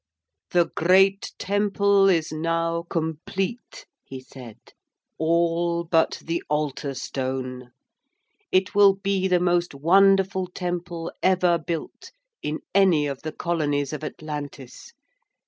'The great temple is now complete,' he said, 'all but the altar stone. It will be the most wonderful temple ever built in any of the colonies of Atlantis.